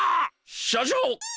社長！